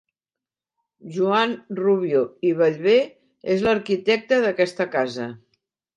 Joan Rubió i Bellver és l'arquitecte d'aquesta casa.